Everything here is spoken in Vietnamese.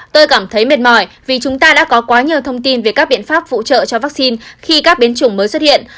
tôi cảm thấy mệt mỏi vì chúng ta đã có quá nhiều thông tin về các biện pháp phụ trợ cho vaccine khi các biến chủng mới xuất hiện